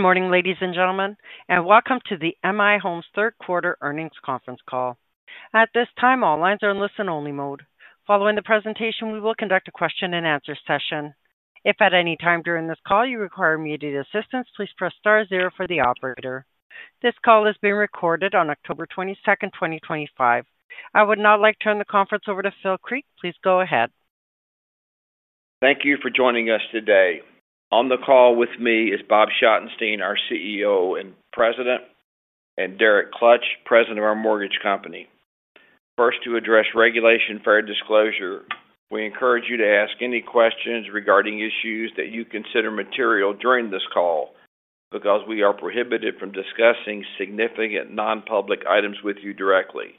Good morning, ladies and gentlemen, and welcome to the M/I Homes Third Quarter earnings conference call. At this time, all lines are in listen-only mode. Following the presentation, we will conduct a question and answer session. If at any time during this call you require immediate assistance, please press star zero for the operator. This call is being recorded on October 22, 2025. I would now like to turn the conference over to Phil Creek. Please go ahead. Thank you for joining us today. On the call with me is Bob Schottenstein, our CEO and President, and Derek Klutch, President of our mortgage company. First, to address regulation fair disclosure, we encourage you to ask any questions regarding issues that you consider material during this call because we are prohibited from discussing significant non-public items with you directly.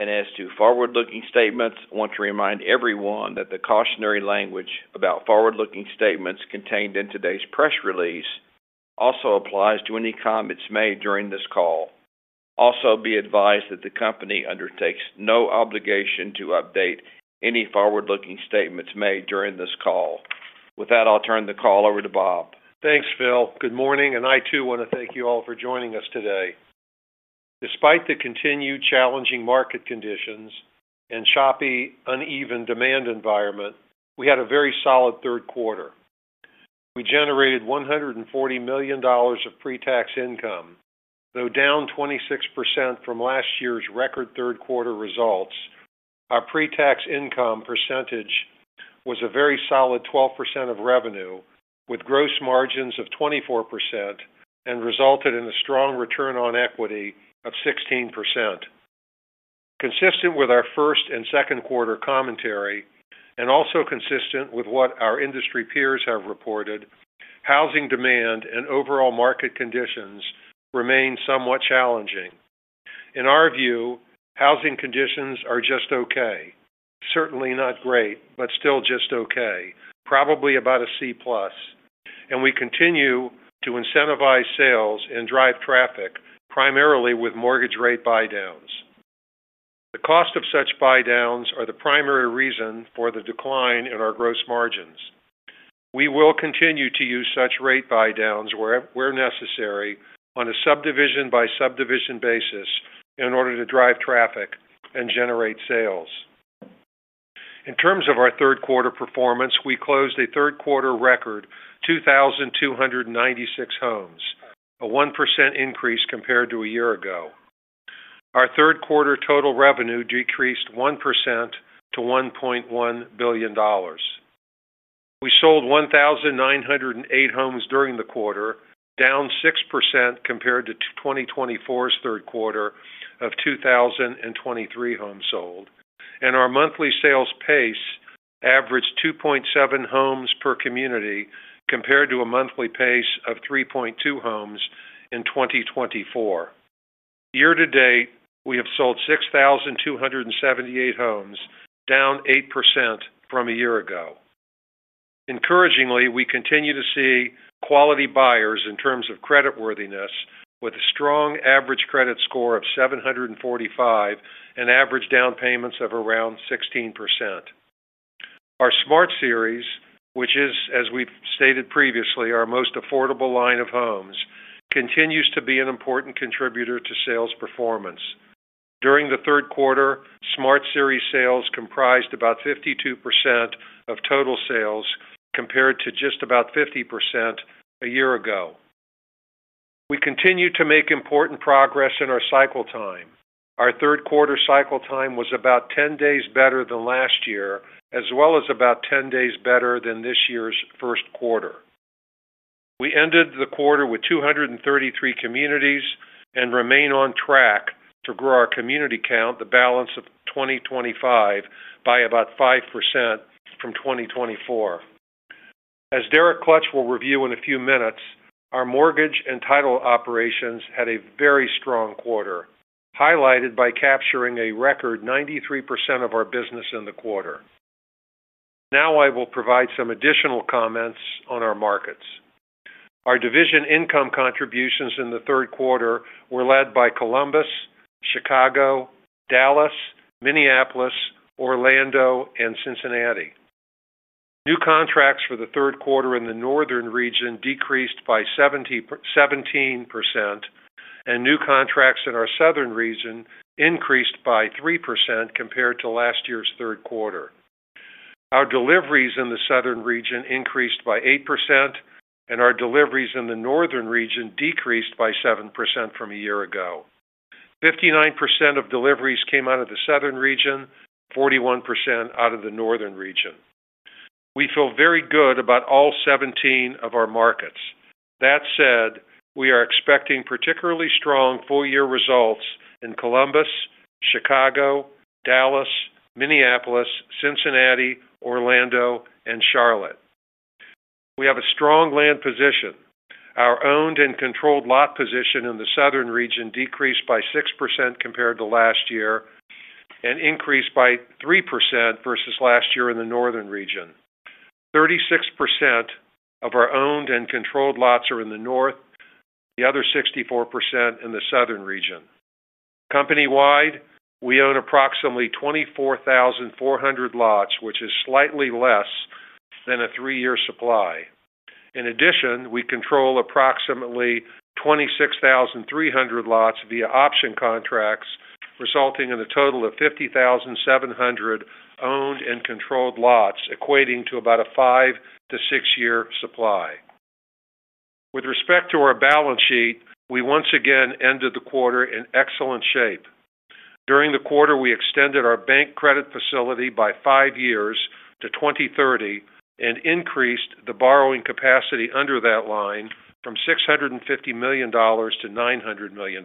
As to forward-looking statements, I want to remind everyone that the cautionary language about forward-looking statements contained in today's press release also applies to any comments made during this call. Also, be advised that the company undertakes no obligation to update any forward-looking statements made during this call. With that, I'll turn the call over to Bob. Thanks, Phil. Good morning, and I too want to thank you all for joining us today. Despite the continued challenging market conditions and choppy, uneven demand environment, we had a very solid third quarter. We generated $140 million of pre-tax income. Though down 26% from last year's record third quarter results, our pre-tax income percentage was a very solid 12% of revenue, with gross margins of 24% and resulted in a strong return on equity of 16%. Consistent with our first and second quarter commentary, and also consistent with what our industry peers have reported, housing demand and overall market conditions remain somewhat challenging. In our view, housing conditions are just okay. Certainly not great, but still just okay. Probably about a C+. We continue to incentivize sales and drive traffic, primarily with mortgage rate buy-downs. The cost of such buy-downs are the primary reason for the decline in our gross margins. We will continue to use such rate buy-downs where necessary, on a subdivision-by-subdivision basis, in order to drive traffic and generate sales. In terms of our third quarter performance, we closed a third-quarter record 2,296 homes, a 1% increase compared to a year ago. Our third-quarter total revenue decreased 1% to $1.1 billion. We sold 1,908 homes during the quarter, down 6% compared to 2024's third quarter of 2,023 homes sold. Our monthly sales pace averaged 2.7 homes per community compared to a monthly pace of 3.2 homes in 2024. Year to date, we have sold 6,278 homes, down 8% from a year ago. Encouragingly, we continue to see quality buyers in terms of creditworthiness, with a strong average credit score of 745 and average down payments of around 16%. Our Smart Series, which is, as we've stated previously, our most affordable line of homes, continues to be an important contributor to sales performance. During the third quarter, Smart Series sales comprised about 52% of total sales compared to just about 50% a year ago. We continue to make important progress in our cycle time. Our third-quarter cycle time was about 10 days better than last year, as well as about 10 days better than this year's first quarter. We ended the quarter with 233 communities and remain on track to grow our community count, the balance of 2024, by about 5% from 2023. As Derek Klutch will review in a few minutes, our mortgage and title operations had a very strong quarter, highlighted by capturing a record 93% of our business in the quarter. Now I will provide some additional comments on our markets. Our division income contributions in the third quarter were led by Columbus, Chicago, Dallas, Minneapolis, Orlando, and Cincinnati. New contracts for the third quarter in the northern region decreased by 17%, and new contracts in our southern region increased by 3% compared to last year's third quarter. Our deliveries in the southern region increased by 8%, and our deliveries in the northern region decreased by 7% from a year ago. 59% of deliveries came out of the southern region, 41% out of the northern region. We feel very good about all 17 of our markets. That said, we are expecting particularly strong full-year results in Columbus, Chicago, Dallas, Minneapolis, Cincinnati, Orlando, and Charlotte. We have a strong land position. Our owned and controlled lot position in the southern region decreased by 6% compared to last year and increased by 3% versus last year in the northern region. 36% of our owned and controlled lots are in the north, the other 64% in the southern region. Company-wide, we own approximately 24,400 lots, which is slightly less than a three-year supply. In addition, we control approximately 26,300 lots via option contracts, resulting in a total of 50,700 owned and controlled lots, equating to about a five to six-year supply. With respect to our balance sheet, we once again ended the quarter in excellent shape. During the quarter, we extended our bank credit facility by five years to 2030 and increased the borrowing capacity under that line from $650 million to $900 million.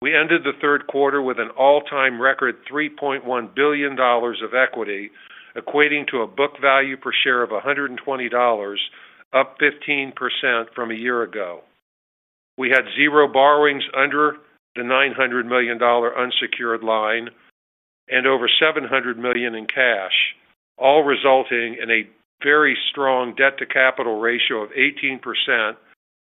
We ended the third quarter with an all-time record $3.1 billion of equity, equating to a book value per share of $120, up 15% from a year ago. We had zero borrowings under the $900 million unsecured line and over $700 million in cash, all resulting in a very strong debt-to-capital ratio of 18%,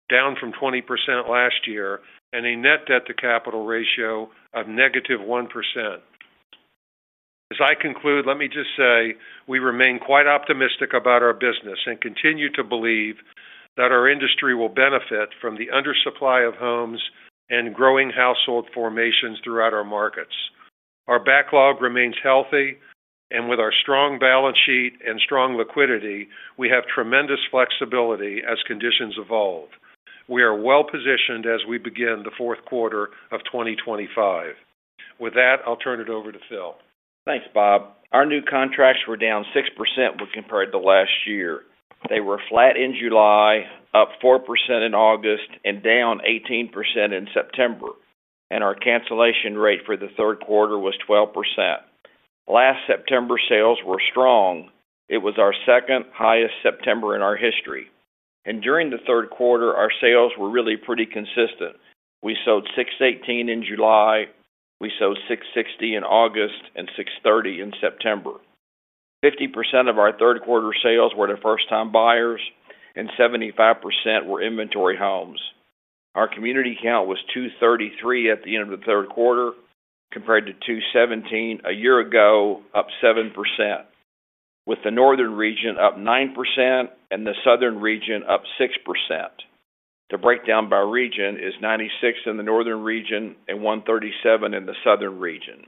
down from 20% last year, and a net debt-to-capital ratio of -1%. As I conclude, let me just say we remain quite optimistic about our business and continue to believe that our industry will benefit from the undersupply of homes and growing household formations throughout our markets. Our backlog remains healthy, and with our strong balance sheet and strong liquidity, we have tremendous flexibility as conditions evolve. We are well positioned as we begin the fourth quarter of 2025. With that, I'll turn it over to Phil. Thanks, Bob. Our new contracts were down 6% when compared to last year. They were flat in July, up 4% in August, and down 18% in September. Our cancellation rate for the third quarter was 12%. Last September sales were strong. It was our second highest September in our history. During the third quarter, our sales were really pretty consistent. We sold 618 in July, 660 in August, and 630 in September. 50% of our third-quarter sales were to first-time buyers, and 75% were inventory homes. Our community count was 233 at the end of the third quarter compared to 217 a year ago, up 7%, with the northern region up 9% and the southern region up 6%. The breakdown by region is 96 in the northern region and 137 in the southern region.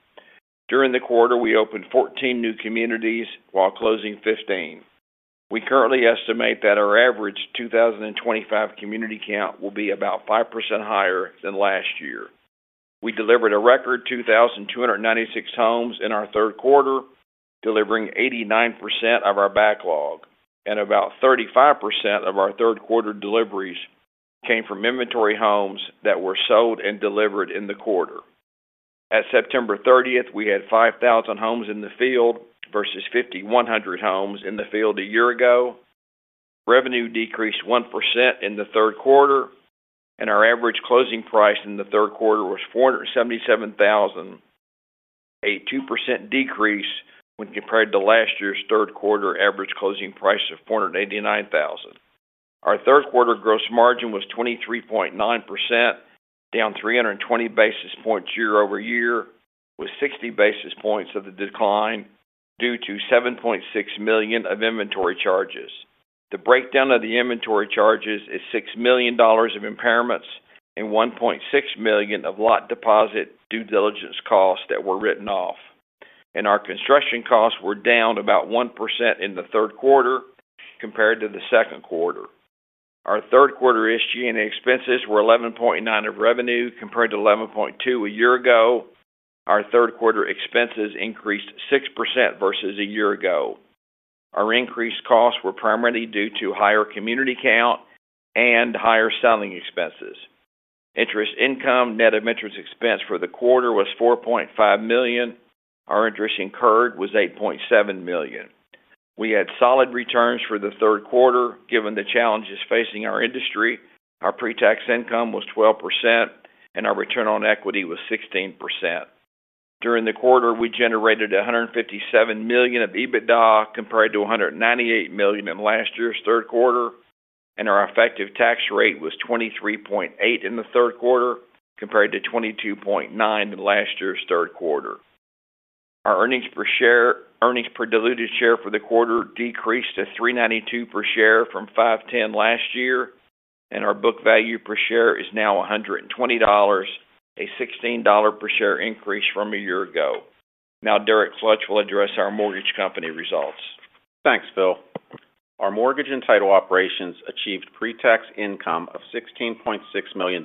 During the quarter, we opened 14 new communities while closing 15. We currently estimate that our average 2025 community count will be about 5% higher than last year. We delivered a record 2,296 homes in our third quarter, delivering 89% of our backlog. About 35% of our third-quarter deliveries came from inventory homes that were sold and delivered in the quarter. At September 30, we had 5,000 homes in the field versus 5,100 homes in the field a year ago. Revenue decreased 1% in the third quarter, and our average closing price in the third quarter was $477,000, a 2% decrease when compared to last year's third quarter average closing price of $489,000. Our third-quarter gross margin was 23.9%, down 320 basis points year over year, with 60 basis points of the decline due to $7.6 million of inventory charges. The breakdown of the inventory charges is $6 million of impairments and $1.6 million of lot deposit due diligence costs that were written off. Our construction costs were down about 1% in the third quarter compared to the second quarter. Our third-quarter SG&A expenses were 11.9% of revenue compared to 11.2% a year ago. Our third-quarter expenses increased 6% versus a year ago. Our increased costs were primarily due to higher community count and higher selling expenses. Interest income, net of interest expense for the quarter, was $4.5 million. Our interest incurred was $8.7 million. We had solid returns for the third quarter given the challenges facing our industry. Our pre-tax income was 12%, and our return on equity was 16%. During the quarter, we generated $157 million of EBITDA compared to $198 million in last year's third quarter. Our effective tax rate was 23.8% in the third quarter compared to 22.9% in last year's third quarter. Our earnings per diluted share for the quarter decreased to $3.92 per share from $5.10 last year. Our book value per share is now $120, a $16 per share increase from a year ago. Now, Derek Klutch will address our mortgage company results. Thanks, Phil. Our mortgage and title operations achieved pre-tax income of $16.6 million,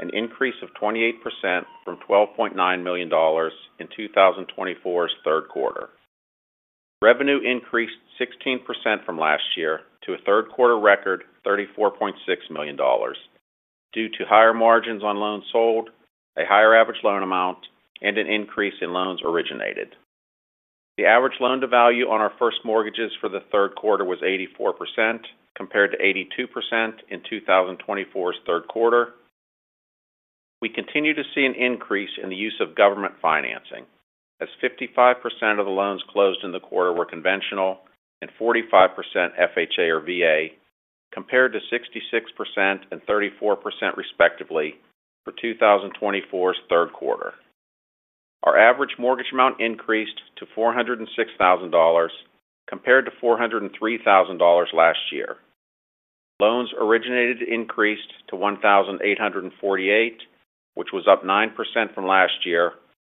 an increase of 28% from $12.9 million in 2024's third quarter. Revenue increased 16% from last year to a third-quarter record $34.6 million due to higher margins on loans sold, a higher average loan amount, and an increase in loans originated. The average loan-to-value on our first mortgages for the third quarter was 84% compared to 82% in 2024's third quarter. We continue to see an increase in the use of government financing, as 55% of the loans closed in the quarter were conventional and 45% FHA or VA, compared to 66% and 34% respectively for 2024's third quarter. Our average mortgage amount increased to $406,000 compared to $403,000 last year. Loans originated increased to 1,848, which was up 9% from last year,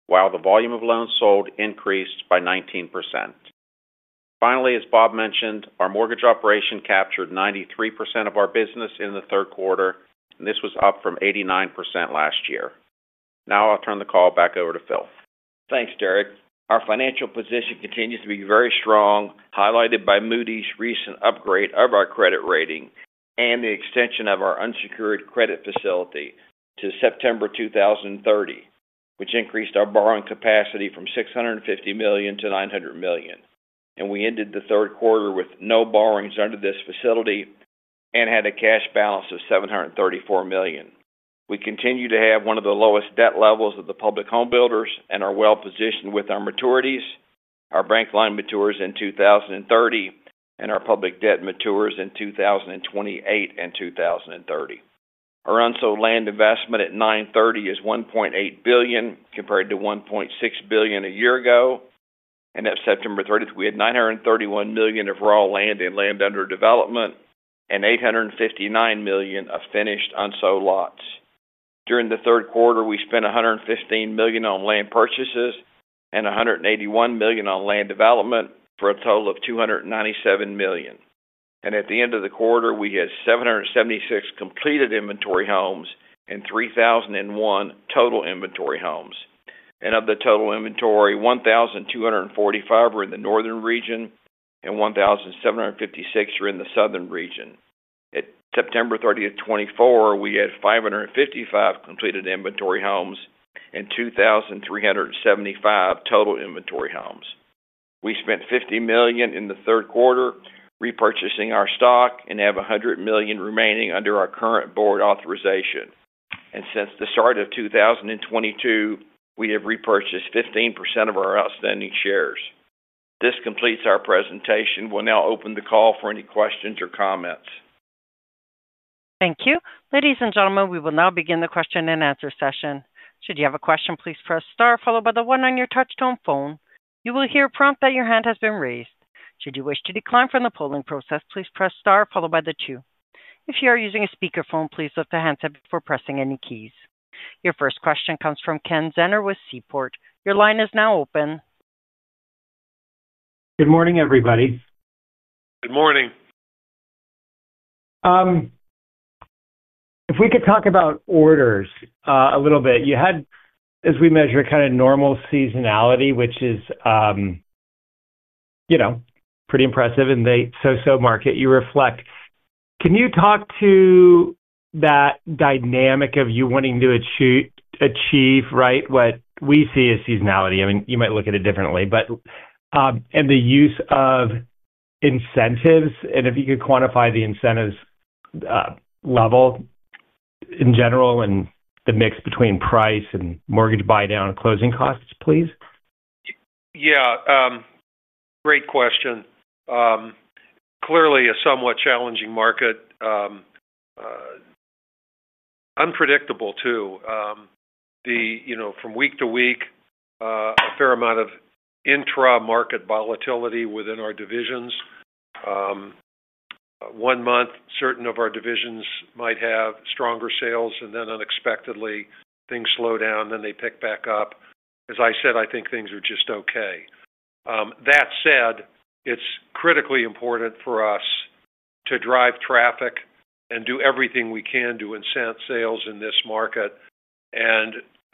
while the volume of loans sold increased by 19%. Finally, as Bob mentioned, our mortgage operation captured 93% of our business in the third quarter, and this was up from 89% last year. Now I'll turn the call back over to Phil. Thanks, Derek. Our financial position continues to be very strong, highlighted by Moody’s recent upgrade of our credit rating and the extension of our unsecured credit facility to September 2030, which increased our borrowing capacity from $650 million to $900 million. We ended the third quarter with no borrowings under this facility and had a cash balance of $734 million. We continue to have one of the lowest debt levels of the public home builders and are well positioned with our maturities. Our bank line matures in 2030, and our public debt matures in 2028 and 2030. Our unsold land investment at 9/30 is $1.8 billion compared to $1.6 billion a year ago. At September 30, we had $931 million of raw land and land under development and $859 million of finished unsold lots. During the third quarter, we spent $115 million on land purchases and $181 million on land development for a total of $297 million. At the end of the quarter, we had 776 completed inventory homes and 3,001 total inventory homes. Of the total inventory, 1,245 were in the northern region and 1,756 were in the southern region. At September 30, 2024, we had 555 completed inventory homes and 2,375 total inventory homes. We spent $50 million in the third quarter repurchasing our stock and have $100 million remaining under our current board authorization. Since the start of 2022, we have repurchased 15% of our outstanding shares. This completes our presentation. We'll now open the call for any questions or comments. Thank you. Ladies and gentlemen, we will now begin the question and answer session. Should you have a question, please press star followed by the one on your touch-tone phone. You will hear a prompt that your hand has been raised. Should you wish to decline from the polling process, please press star followed by the two. If you are using a speakerphone, please lift the handset before pressing any keys. Your first question comes from Ken Zener with Seaport. Your line is now open. Good morning, everybody. Good morning. If we could talk about orders a little bit, you had, as we measure, kind of normal seasonality, which is pretty impressive in the so-so market you reflect. Can you talk to that dynamic of you wanting to achieve, right, what we see as seasonality? I mean, you might look at it differently, and the use of incentives, and if you could quantify the incentives, level in general and the mix between price and mortgage rate buy-downs closing costs, please. Yeah. Great question. Clearly a somewhat challenging market, unpredictable too. From week to week, a fair amount of intra-market volatility within our divisions. One month, certain of our divisions might have stronger sales, and then unexpectedly, things slow down, then they pick back up. As I said, I think things are just okay. That said, it's critically important for us to drive traffic and do everything we can to incent sales in this market.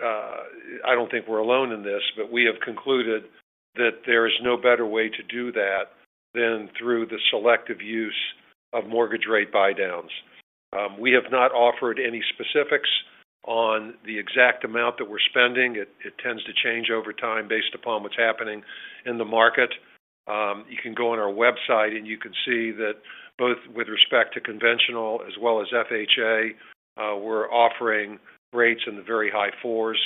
I don't think we're alone in this, but we have concluded that there is no better way to do that than through the selective use of mortgage rate buy-downs. We have not offered any specifics on the exact amount that we're spending. It tends to change over time based upon what's happening in the market. You can go on our website and you can see that both with respect to conventional as well as FHA, we're offering rates in the very high fours.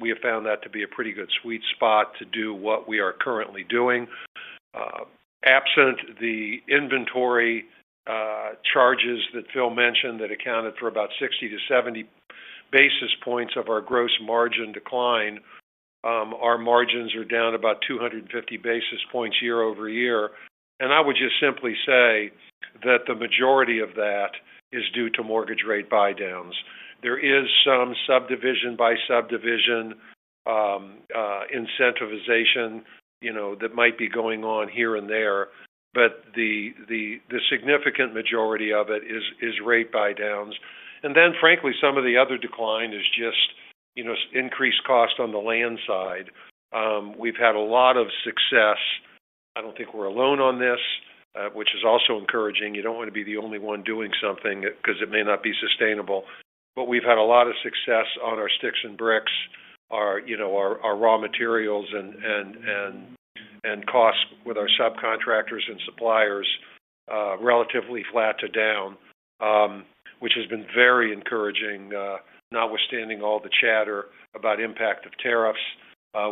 We have found that to be a pretty good sweet spot to do what we are currently doing. Absent the inventory charges that Phil mentioned that accounted for about 60 to 70 basis points of our gross margin decline, our margins are down about 250 basis points year over year. I would just simply say that the majority of that is due to mortgage rate buy-downs. There is some subdivision-by-subdivision incentivization that might be going on here and there, but the significant majority of it is rate buy-downs. Frankly, some of the other decline is just increased cost on the land side. We've had a lot of success. I don't think we're alone on this, which is also encouraging. You don't want to be the only one doing something because it may not be sustainable. We've had a lot of success on our sticks and bricks, our raw materials and costs with our subcontractors and suppliers, relatively flat to down, which has been very encouraging, notwithstanding all the chatter about impact of tariffs.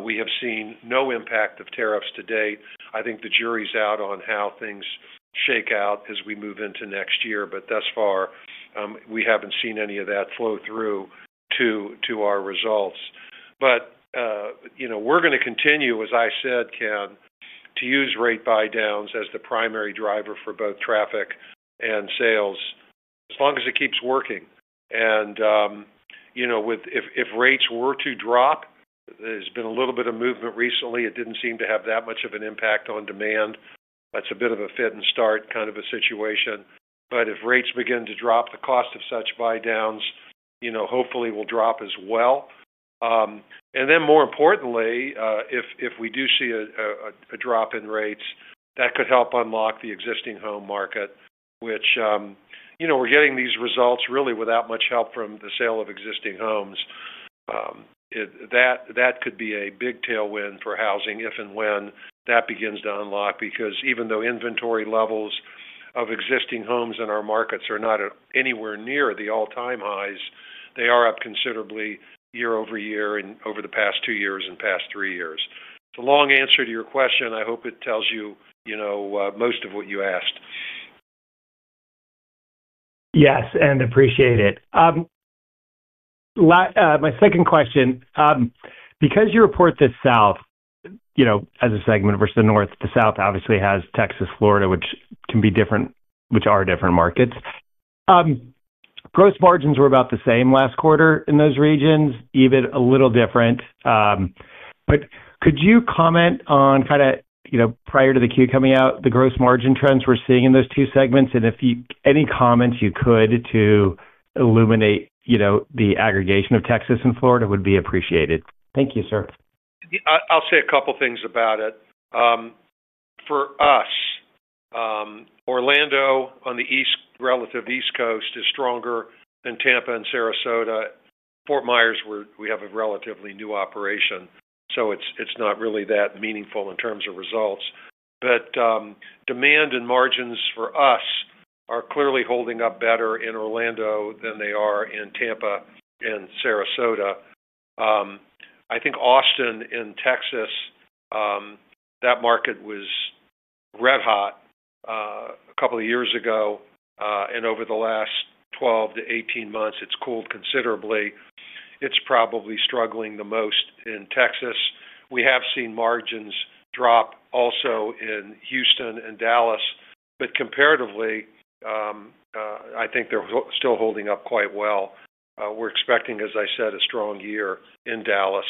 We have seen no impact of tariffs to date. I think the jury's out on how things shake out as we move into next year. Thus far, we haven't seen any of that flow through to our results. We're going to continue, as I said, Ken, to use rate buy-downs as the primary driver for both traffic and sales as long as it keeps working. If rates were to drop, there's been a little bit of movement recently. It didn't seem to have that much of an impact on demand. That's a bit of a fit-and-start kind of a situation. If rates begin to drop, the cost of such buy-downs, you know, hopefully will drop as well. More importantly, if we do see a drop in rates, that could help unlock the existing home market, which, you know, we're getting these results really without much help from the sale of existing homes. That could be a big tailwind for housing if and when that begins to unlock because even though inventory levels of existing homes in our markets are not anywhere near the all-time highs, they are up considerably year over year and over the past two years and past three years. The long answer to your question, I hope it tells you, you know, most of what you asked. Yes, appreciate it. My second question, because you report the South as a segment versus the North, the South obviously has Texas, Florida, which are different markets. Gross margins were about the same last quarter in those regions, even a little different. Could you comment on, prior to the Q coming out, the gross margin trends we're seeing in those two segments? If you have any comments you could to illuminate the aggregation of Texas and Florida, it would be appreciated. Thank you, sir. I'll say a couple of things about it. For us, Orlando on the east relative to the East Coast is stronger than Tampa and Sarasota. Fort Myers, we have a relatively new operation. It's not really that meaningful in terms of results. Demand and margins for us are clearly holding up better in Orlando than they are in Tampa and Sarasota. I think Austin in Texas, that market was red-hot a couple of years ago, and over the last 12 to 18 months, it's cooled considerably. It's probably struggling the most in Texas. We have seen margins drop also in Houston and Dallas. Comparatively, I think they're still holding up quite well. We're expecting, as I said, a strong year in Dallas.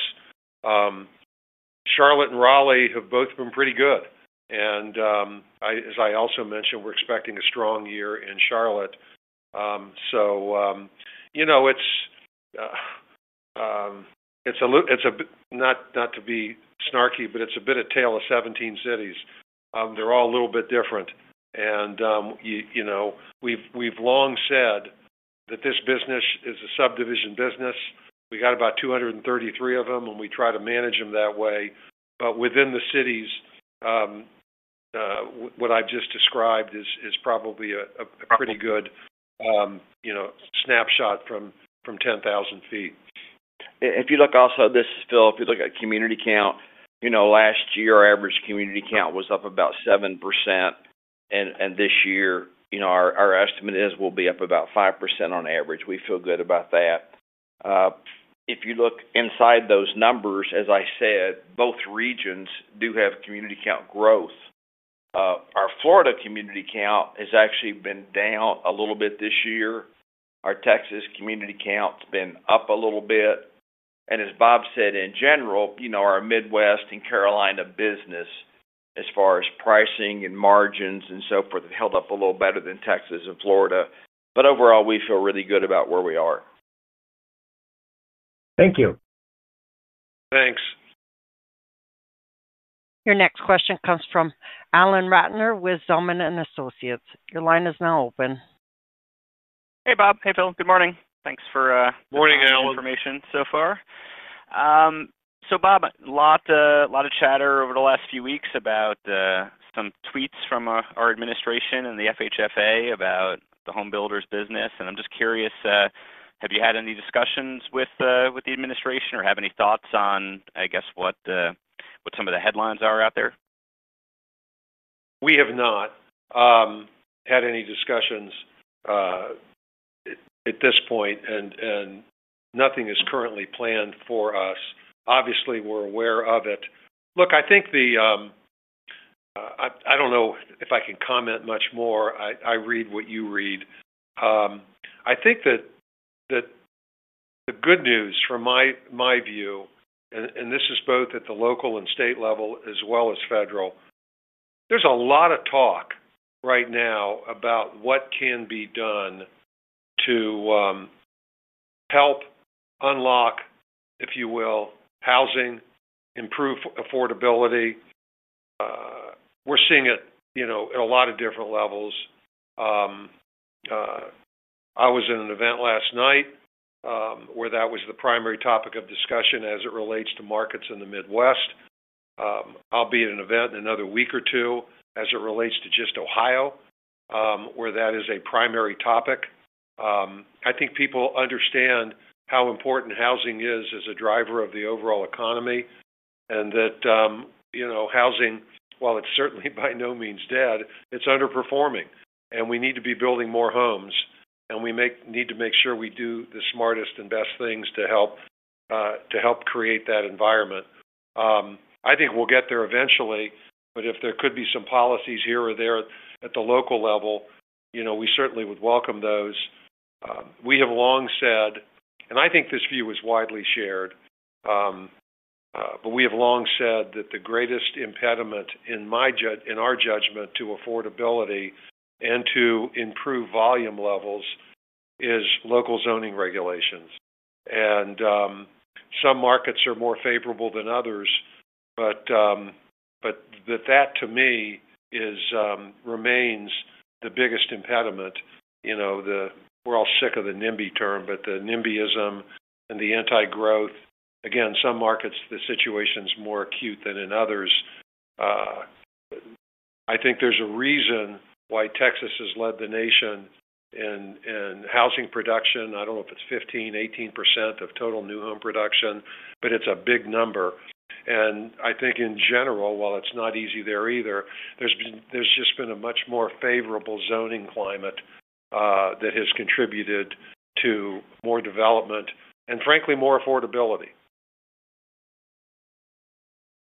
Charlotte and Raleigh have both been pretty good. As I also mentioned, we're expecting a strong year in Charlotte. It's a little, not to be snarky, but it's a bit of a tale of 17 cities. They're all a little bit different. We've long said that this business is a subdivision business. We got about 233 of them, and we try to manage them that way. Within the cities, what I've just described is probably a pretty good snapshot from 10,000 feet. If you look also, this is Phil, if you look at community count, last year, our average community count was up about 7%. This year, our estimate is we'll be up about 5% on average. We feel good about that. If you look inside those numbers, as I said, both regions do have community count growth. Our Florida community count has actually been down a little bit this year. Our Texas community count's been up a little bit. As Bob said, in general, our Midwest and Carolina business, as far as pricing and margins and so forth, it held up a little better than Texas and Florida. Overall, we feel really good about where we are. Thank you. Thanks. Your next question comes from Alan Ratner with Zelman & Associates. Your line is now open. Hey, Bob. Hey, Phil. Good morning. Thanks for Morning, Alan. Thank you for the information so far. Bob, a lot of chatter over the last few weeks about some tweets from our administration and the FHFA about the home builders' business. I'm just curious, have you had any discussions with the administration or have any thoughts on what some of the headlines are out there? We have not had any discussions at this point, and nothing is currently planned for us. Obviously, we're aware of it. Look, I think the good news from my view, and this is both at the local and state level as well as federal, there's a lot of talk right now about what can be done to help unlock, if you will, housing, improve affordability. We're seeing it at a lot of different levels. I was in an event last night where that was the primary topic of discussion as it relates to markets in the Midwest. I'll be at an event in another week or two as it relates to just Ohio, where that is a primary topic. I think people understand how important housing is as a driver of the overall economy and that housing, while it's certainly by no means dead, is underperforming. We need to be building more homes, and we need to make sure we do the smartest and best things to help create that environment. I think we'll get there eventually. If there could be some policies here or there at the local level, we certainly would welcome those. We have long said, and I think this view is widely shared, that the greatest impediment in our judgment to affordability and to improved volume levels is local zoning regulations. Some markets are more favorable than others, but that to me remains the biggest impediment. We're all sick of the NIMBY term, but the NIMBYism and the anti-growth, again, in some markets, the situation is more acute than in others. I think there's a reason why Texas has led the nation in housing production. I don't know if it's 15%, 18% of total new home production, but it's a big number. I think in general, while it's not easy there either, there's just been a much more favorable zoning climate that has contributed to more development and, frankly, more affordability.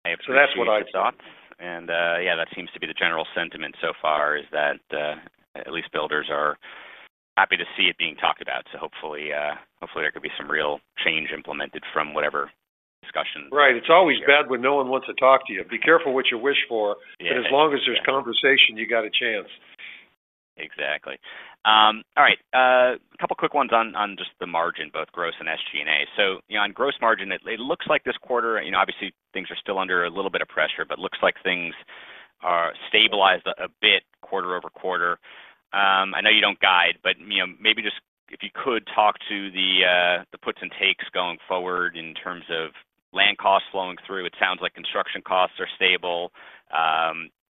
I appreciate that thought. Yeah, that seems to be the general sentiment so far, at least builders are happy to see it being talked about. Hopefully, there could be some real change implemented from whatever discussion. Right. It's always bad when no one wants to talk to you. Be careful what you wish for. Yeah, as long as there's conversation, you got a chance. Exactly. All right. A couple of quick ones on just the margin, both gross and SG&A. On gross margin, it looks like this quarter, obviously, things are still under a little bit of pressure, but it looks like things are stabilized a bit quarter over quarter. I know you don't guide, but maybe just if you could talk to the puts and takes going forward in terms of land costs flowing through. It sounds like construction costs are stable.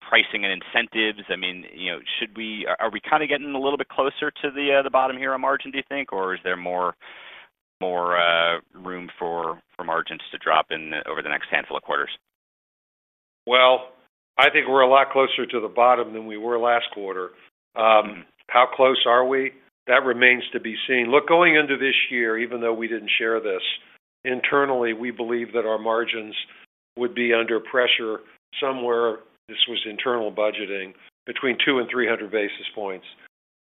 Pricing and incentives, I mean, should we, are we kind of getting a little bit closer to the bottom here on margin, do you think, or is there more room for margins to drop in over the next handful of quarters? I think we're a lot closer to the bottom than we were last quarter. How close are we? That remains to be seen. Look, going into this year, even though we didn't share this, internally, we believe that our margins would be under pressure somewhere, this was internal budgeting, between 200 and 300 basis points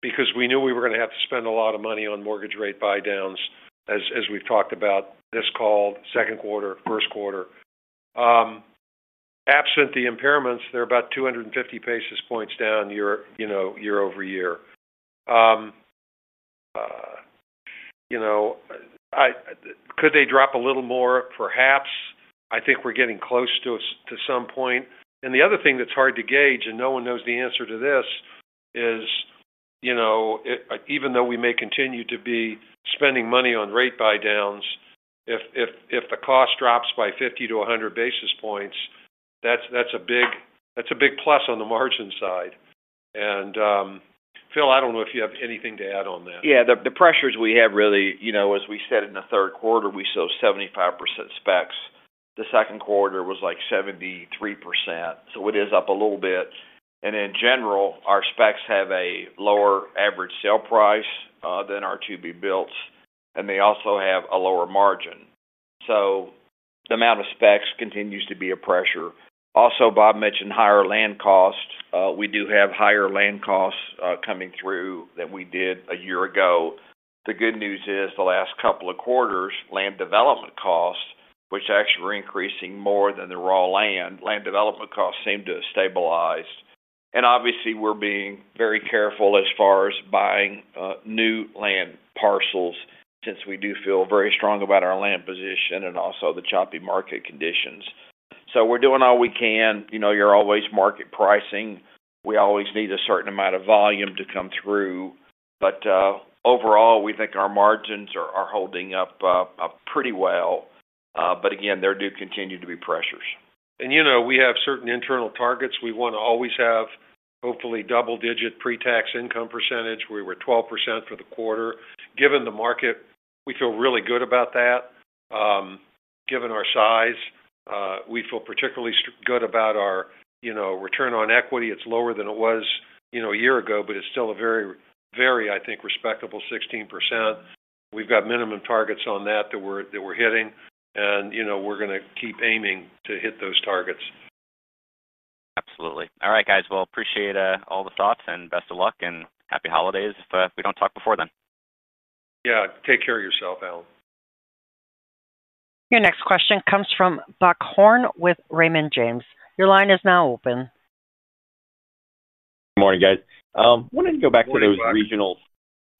because we knew we were going to have to spend a lot of money on mortgage rate buy-downs, as we've talked about this call, second quarter, first quarter. Absent the impairments, they're about 250 basis points down year over year. Could they drop a little more? Perhaps. I think we're getting close to it to some point. The other thing that's hard to gauge, and no one knows the answer to this, is, even though we may continue to be spending money on rate buy-downs, if the cost drops by 50 to 100 basis points, that's a big plus on the margin side. Phil, I don't know if you have anything to add on that. Yeah. The pressures we have really, you know, as we said in the third quarter, we sold 75% specs. The second quarter was like 73%. It is up a little bit. In general, our specs have a lower average sale price than our to-be-builts, and they also have a lower margin. The amount of specs continues to be a pressure. Also, Bob mentioned higher land costs. We do have higher land costs coming through than we did a year ago. The good news is the last couple of quarters, land development costs, which actually were increasing more than the raw land, land development costs seem to have stabilized. Obviously, we're being very careful as far as buying new land parcels since we do feel very strong about our land position and also the choppy market conditions. We're doing all we can. You know, you're always market pricing. We always need a certain amount of volume to come through. Overall, we think our margins are holding up pretty well, but again, there do continue to be pressures. We have certain internal targets. We want to always have, hopefully, double-digit pre-tax income percentage. We were 12% for the quarter. Given the market, we feel really good about that. Given our size, we feel particularly good about our, you know, return on equity. It's lower than it was, you know, a year ago, but it's still a very, very, I think, respectable 16%. We've got minimum targets on that that we're hitting. We're going to keep aiming to hit those targets. Absolutely. All right, guys. I appreciate all the thoughts and best of luck and happy holidays if we don't talk before then. Yeah, take care of yourself, Alan. Your next question comes from Buck Horne with Raymond James. Your line is now open. Good morning, guys. I wanted to go back to those regionals. Morning,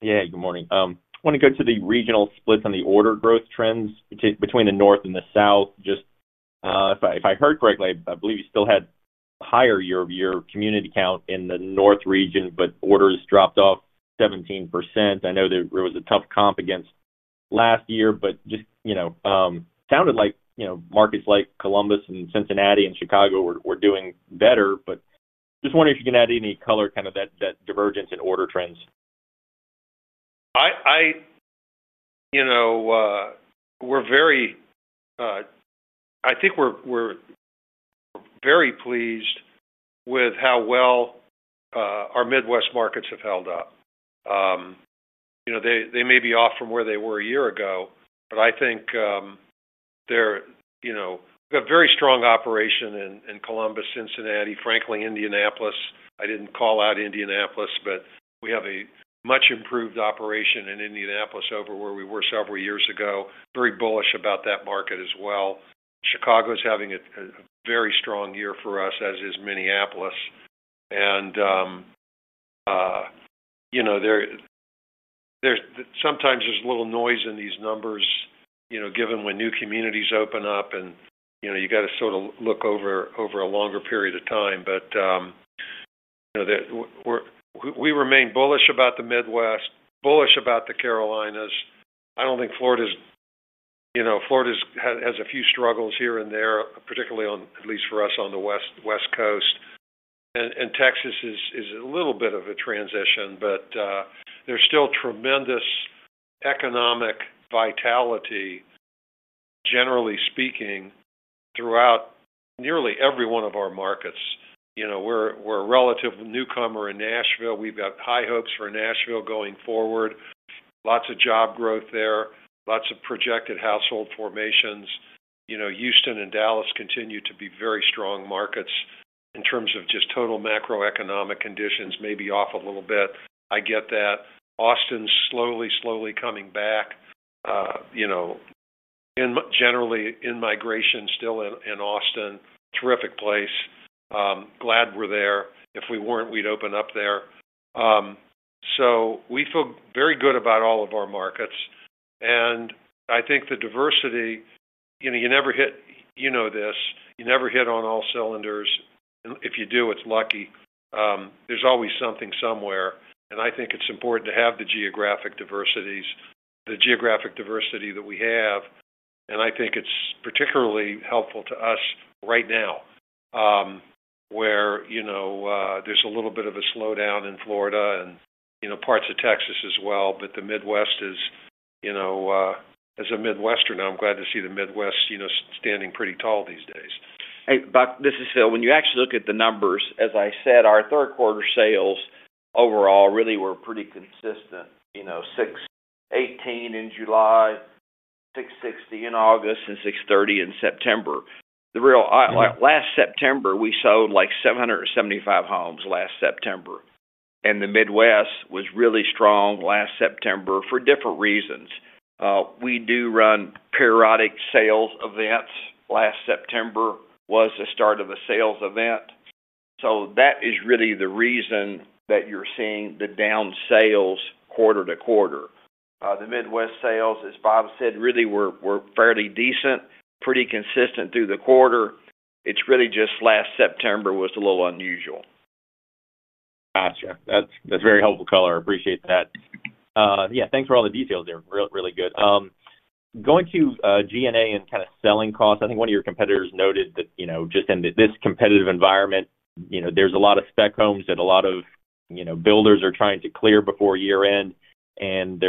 Buck. Good morning. I want to go to the regional splits on the order growth trends between the north and the south. If I heard correctly, I believe you still had higher year-over-year community count in the north region, but orders dropped off 17%. I know that it was a tough comp against last year. It sounded like markets like Columbus, Cincinnati, and Chicago were doing better. I am just wondering if you can add any color on that divergence in order trends. We're very pleased with how well our Midwest markets have held up. They may be off from where they were a year ago, but I think we've got a very strong operation in Columbus, Cincinnati, and frankly, Indianapolis. I didn't call out Indianapolis, but we have a much improved operation in Indianapolis over where we were several years ago. Very bullish about that market as well. Chicago is having a very strong year for us, as is Minneapolis. Sometimes there's a little noise in these numbers, given when new communities open up, and you have to sort of look over a longer period of time. We remain bullish about the Midwest, bullish about the Carolinas. I don't think Florida's, you know, Florida has a few struggles here and there, particularly on, at least for us, on the West Coast. Texas is a little bit of a transition, but there's still tremendous economic vitality, generally speaking, throughout nearly every one of our markets. We're a relative newcomer in Nashville. We've got high hopes for Nashville going forward. Lots of job growth there. Lots of projected household formations. Houston and Dallas continue to be very strong markets in terms of just total macroeconomic conditions, maybe off a little bit. I get that. Austin's slowly coming back. Generally, in migration still in Austin. Terrific place, glad we're there. If we weren't, we'd open up there. We feel very good about all of our markets. I think the diversity, you never hit, you know this, you never hit on all cylinders. If you do, it's lucky. There's always something somewhere. I think it's important to have the geographic diversity that we have. I think it's particularly helpful to us right now, where there's a little bit of a slowdown in Florida and parts of Texas as well. The Midwest is, as a Midwesterner, I'm glad to see the Midwest standing pretty tall these days. Hey, Buck, this is Phil. When you actually look at the numbers, as I said, our third-quarter sales overall really were pretty consistent, you know, 618 in July, 660 in August, and 630 in September. Last September, we sold like 775 homes. The Midwest was really strong last September for different reasons. We do run periodic sales events. Last September was the start of a sales event. That is really the reason that you're seeing the down sales quarter to quarter. The Midwest sales, as Bob said, really were fairly decent, pretty consistent through the quarter. It's really just last September was a little unusual. Gotcha. That's very helpful color. I appreciate that. Yeah, thanks for all the details there. Really, really good. Going to G&A and kind of selling costs, I think one of your competitors noted that, you know, just in this competitive environment, there's a lot of spec homes that a lot of builders are trying to clear before year-end.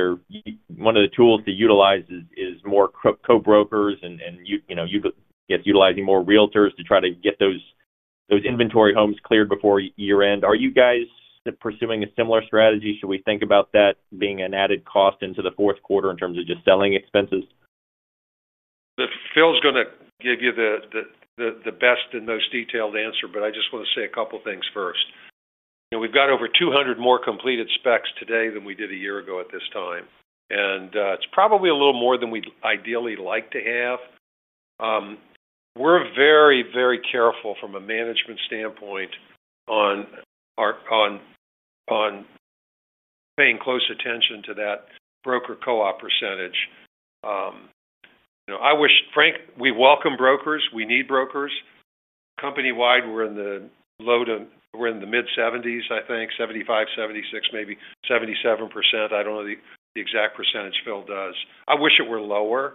One of the tools to utilize is more co-brokers, and you guys are utilizing more realtors to try to get those inventory homes cleared before year-end. Are you guys pursuing a similar strategy? Should we think about that being an added cost into the fourth quarter in terms of just selling expenses? Phil's going to give you the best and most detailed answer, but I just want to say a couple of things first. We've got over 200 more completed specs today than we did a year ago at this time. It's probably a little more than we'd ideally like to have. We're very, very careful from a management standpoint on paying close attention to that broker co-op percentage. I wish, frankly, we welcome brokers. We need brokers. Company-wide, we're in the mid-70s, I think, 75%, 76%, maybe 77%. I don't know the exact percentage, Phil does. I wish it were lower.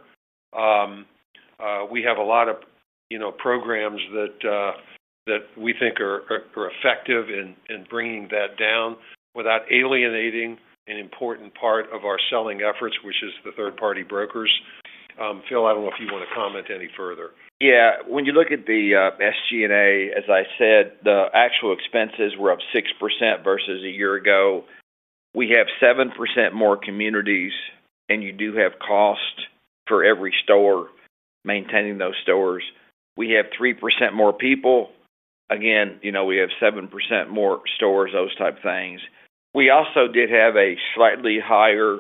We have a lot of programs that we think are effective in bringing that down without alienating an important part of our selling efforts, which is the third-party brokers. Phil, I don't know if you want to comment any further. Yeah. When you look at the SG&A, as I said, the actual expenses were up 6% versus a year ago. We have 7% more communities, and you do have cost for every store maintaining those stores. We have 3% more people. Again, you know, we have 7% more stores, those type of things. We also did have a slightly higher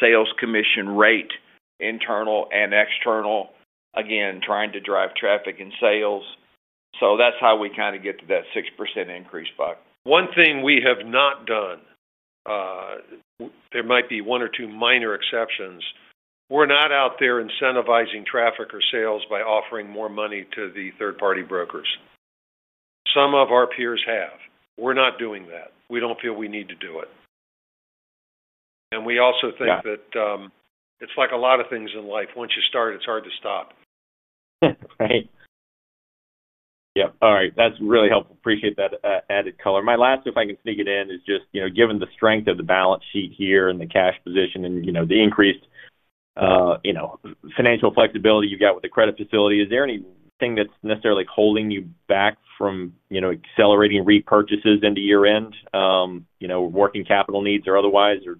sales commission rate, internal and external, again, trying to drive traffic and sales. That's how we kind of get to that 6% increase, Bob. One thing we have not done, there might be one or two minor exceptions. We're not out there incentivizing traffic or sales by offering more money to the third-party brokers. Some of our peers have. We're not doing that. We don't feel we need to do it. We also think that, it's like a lot of things in life. Once you start, it's hard to stop. Right. Yeah. All right. That's really helpful. Appreciate that, added color. My last, if I can sneak it in, is just, you know, given the strength of the balance sheet here and the cash position and, you know, the increased, you know, financial flexibility you've got with the credit facility, is there anything that's necessarily holding you back from, you know, accelerating repurchases into year-end, working capital needs or otherwise, or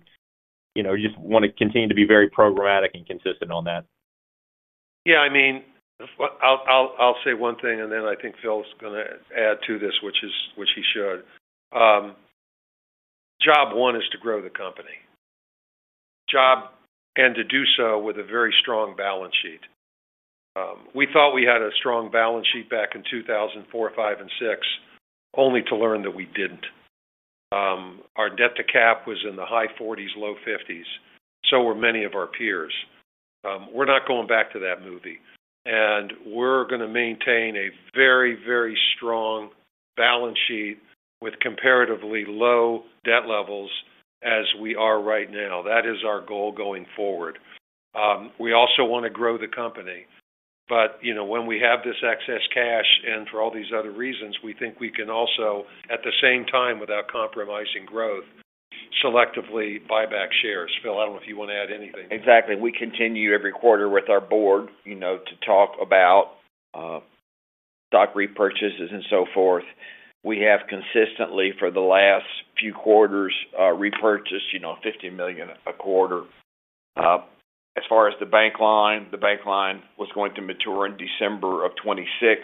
you just want to continue to be very programmatic and consistent on that? Yeah. I'll say one thing, and then I think Phil's going to add to this, which he should. Job one is to grow the company and to do so with a very strong balance sheet. We thought we had a strong balance sheet back in 2004, 2005, and 2006, only to learn that we didn't. Our debt-to-cap was in the high 40s, low 50s. So were many of our peers. We're not going back to that movie. We're going to maintain a very, very strong balance sheet with comparatively low debt levels as we are right now. That is our goal going forward. We also want to grow the company. You know, when we have this excess cash and for all these other reasons, we think we can also, at the same time, without compromising growth, selectively buy back shares. Phil, I don't know if you want to add anything. Exactly. We continue every quarter with our board to talk about stock repurchases and so forth. We have consistently, for the last few quarters, repurchased $15 million a quarter. As far as the bank line, the bank line was going to mature in December of 2026.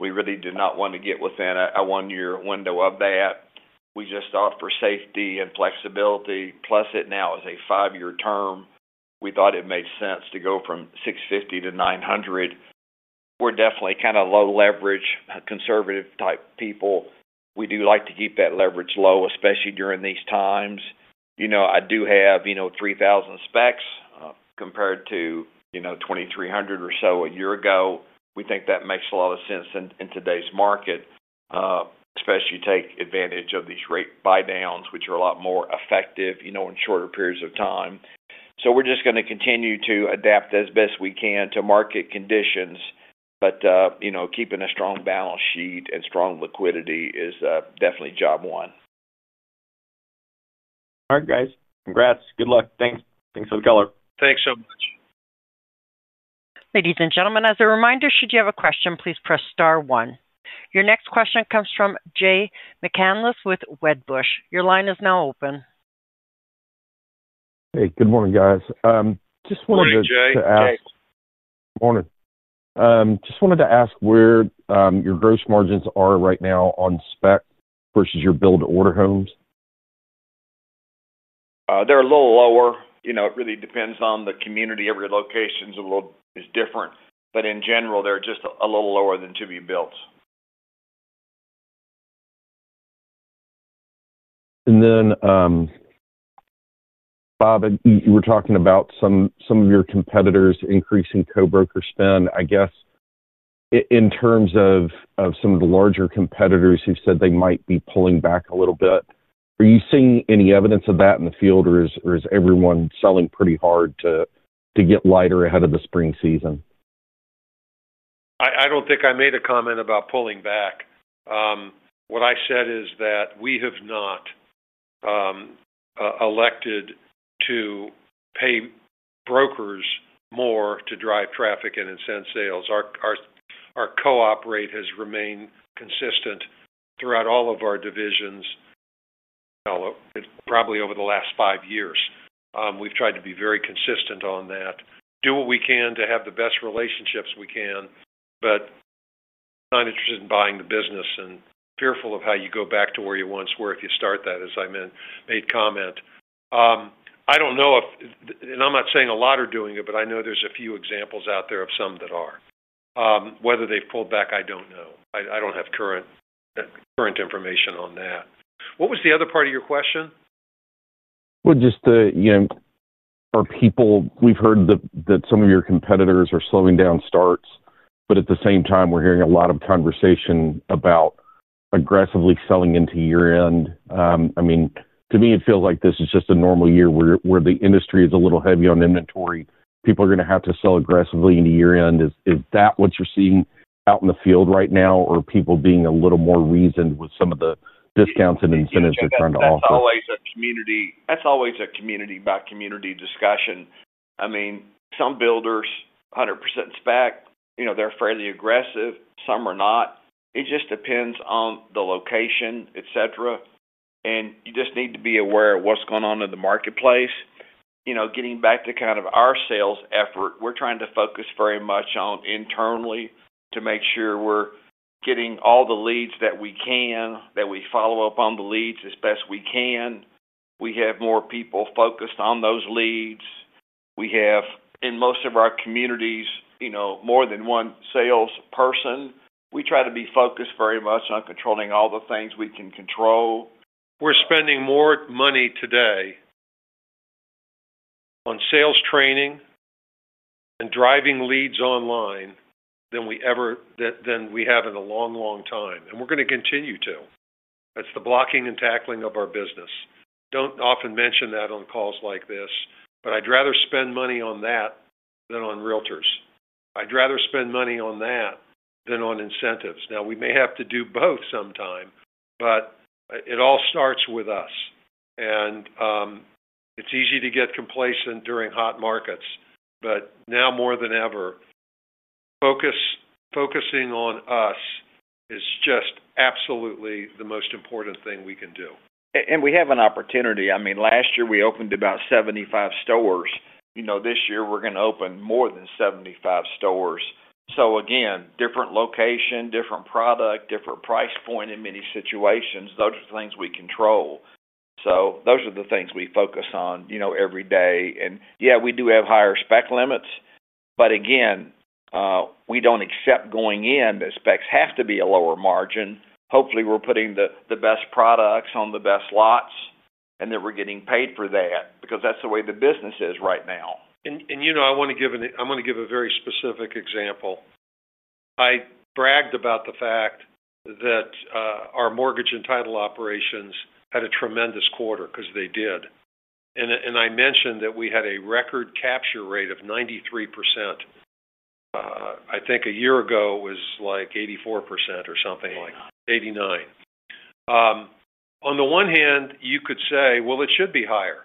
We really did not want to get within a one-year window of that. We just thought for safety and flexibility, plus it now is a five-year term, we thought it made sense to go from $650 million to $900 million. We're definitely kind of low-leverage, conservative-type people. We do like to keep that leverage low, especially during these times. I do have 3,000 specs, compared to 2,300 or so a year ago. We think that makes a lot of sense in today's market, especially to take advantage of these mortgage rate buy-downs, which are a lot more effective in shorter periods of time. We are just going to continue to adapt as best we can to market conditions. Keeping a strong balance sheet and strong liquidity is definitely job one. All right, guys. Congrats. Good luck. Thanks. Thanks for the color. Thanks so much. Ladies and gentlemen, as a reminder, should you have a question, please press star one. Your next question comes from Jay McCanless with Wedbush. Your line is now open. Hey, good morning, guys. I just wanted to ask. Morning, Jay. Morning. I just wanted to ask where your gross margins are right now on spec versus your build-to-order homes? They're a little lower. It really depends on the community. Every location is a little different, but in general, they're just a little lower than to-be-builts. Bob, you were talking about some of your competitors' increase in co-broker spend. In terms of some of the larger competitors who said they might be pulling back a little bit, are you seeing any evidence of that in the field, or is everyone selling pretty hard to get lighter ahead of the spring season? I don't think I made a comment about pulling back. What I said is that we have not elected to pay brokers more to drive traffic and incentive sales. Our co-op rate has remained consistent throughout all of our divisions, probably over the last five years. We've tried to be very consistent on that. We do what we can to have the best relationships we can, but I'm not interested in buying the business and fearful of how you go back to where you once were if you start that, as I made comment. I don't know if, and I'm not saying a lot are doing it, but I know there's a few examples out there of some that are. Whether they've pulled back, I don't know. I don't have current information on that. What was the other part of your question? Are people, we've heard that some of your competitors are slowing down starts, but at the same time, we're hearing a lot of conversation about aggressively selling into year-end. To me, it feels like this is just a normal year where the industry is a little heavy on inventory. People are going to have to sell aggressively into year-end. Is that what you're seeing out in the field right now, or are people being a little more reasoned with some of the discounts and incentives they're trying to offer? That's always a community-by-community discussion. I mean, some builders, 100% spec, they're fairly aggressive. Some are not. It just depends on the location, etc. You just need to be aware of what's going on in the marketplace. Getting back to kind of our sales effort, we're trying to focus very much on internally to make sure we're getting all the leads that we can, that we follow up on the leads as best we can. We have more people focused on those leads. We have, in most of our communities, more than one salesperson. We try to be focused very much on controlling all the things we can control. We're spending more money today on sales training and driving leads online than we have in a long, long time. We're going to continue to. That's the blocking and tackling of our business. I don't often mention that on calls like this, but I'd rather spend money on that than on realtors. I'd rather spend money on that than on incentives. We may have to do both sometime, but it all starts with us. It's easy to get complacent during hot markets. Now more than ever, focusing on us is just absolutely the most important thing we can do. We have an opportunity. Last year we opened about 75 stores. This year we're going to open more than 75 stores. Different location, different product, different price point in many situations, those are things we control. Those are the things we focus on every day. We do have higher spec limits. We don't accept going in that specs have to be a lower margin. Hopefully, we're putting the best products on the best lots and that we're getting paid for that because that's the way the business is right now. I want to give a very specific example. I bragged about the fact that our mortgage and title operations had a tremendous quarter because they did. I mentioned that we had a record capture rate of 93%. I think a year ago it was like 84% or something like 89%. On the one hand, you could say it should be higher,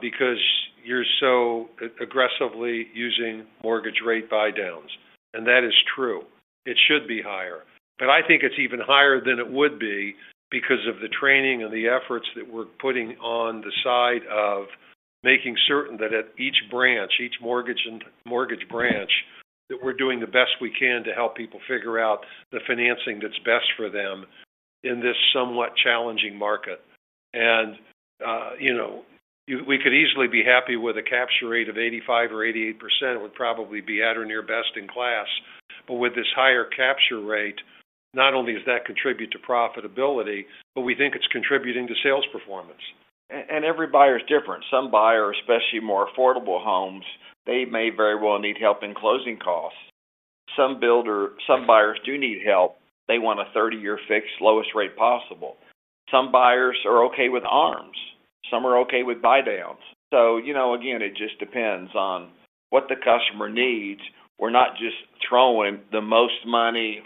because you're so aggressively using mortgage rate buy-downs. That is true. It should be higher. I think it's even higher than it would be because of the training and the efforts that we're putting on the side of making certain that at each branch, each mortgage and mortgage branch, we're doing the best we can to help people figure out the financing that's best for them in this somewhat challenging market. We could easily be happy with a capture rate of 85% or 88%. It would probably be at or near best in class. With this higher capture rate, not only does that contribute to profitability, but we think it's contributing to sales performance. Every buyer is different. Some buyers, especially more affordable homes, may very well need help in closing costs. Some buyers do need help. They want a 30-year fixed, lowest rate possible. Some buyers are okay with ARMs. Some are okay with buydowns. It just depends on what the customer needs. We're not just throwing the most money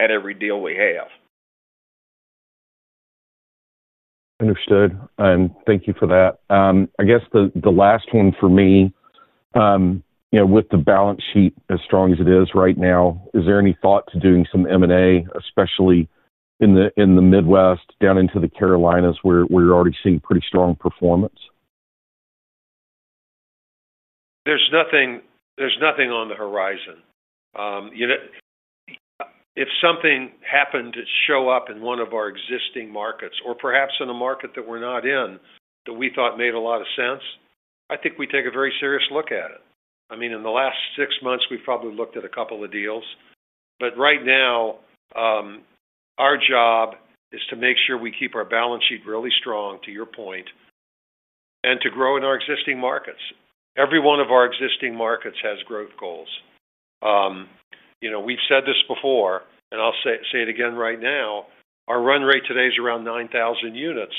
at every deal we have. Understood. Thank you for that. I guess the last one for me, with the balance sheet as strong as it is right now, is there any thought to doing some M&A, especially in the Midwest, down into the Carolinas where you're already seeing pretty strong performance? There's nothing on the horizon. You know, if something happened to show up in one of our existing markets or perhaps in a market that we're not in that we thought made a lot of sense, I think we'd take a very serious look at it. I mean, in the last six months, we've probably looked at a couple of deals. Right now, our job is to make sure we keep our balance sheet really strong, to your point, and to grow in our existing markets. Every one of our existing markets has growth goals. We've said this before, and I'll say it again right now. Our run rate today is around 9,000 units.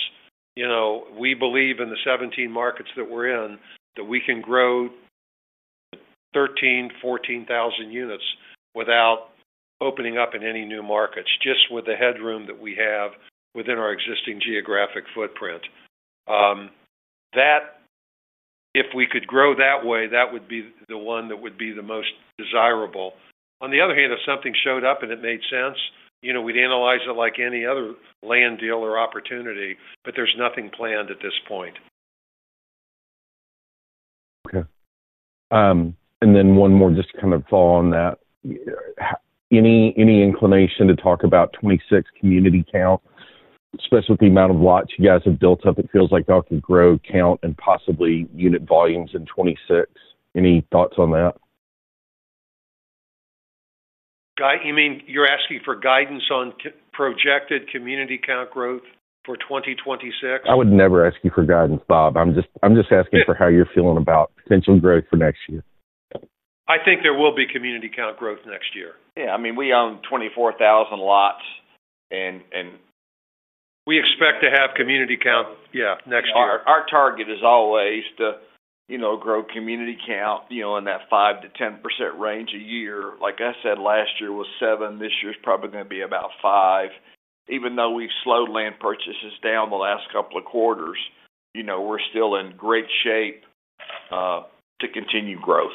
You know, we believe in the 17 markets that we're in that we can grow to 13,000 or 14,000 units without opening up in any new markets, just with the headroom that we have within our existing geographic footprint. If we could grow that way, that would be the one that would be the most desirable. On the other hand, if something showed up and it made sense, we'd analyze it like any other land deal or opportunity, but there's nothing planned at this point. Okay, and then one more just to kind of follow on that. Any inclination to talk about 2026 community count, especially with the amount of lots you guys have built up? It feels like y'all could grow count and possibly unit volumes in 2026. Any thoughts on that? You mean you're asking for guidance on projected community count growth for 2026? I would never ask you for guidance, Bob. I'm just asking for how you're feeling about potential growth for next year. I think there will be community count growth next year. Yeah. I mean, we own 24,000 lots. We expect to have community count next year. Our target is always to grow community count in that 5% to 10% range a year. Like I said, last year was 7%. This year is probably going to be about 5%. Even though we've slowed land purchases down the last couple of quarters, we're still in great shape to continue growth.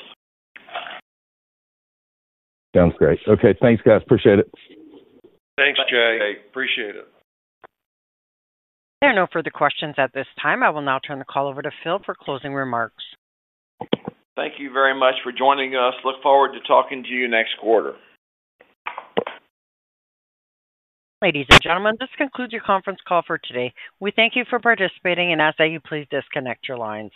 Sounds great. Okay, thanks, guys. Appreciate it. Thanks, Jay. Appreciate it. There are no further questions at this time. I will now turn the call over to Phil for closing remarks. Thank you very much for joining us. Look forward to talking to you next quarter. Ladies and gentlemen, this concludes your conference call for today. We thank you for participating and ask that you please disconnect your lines.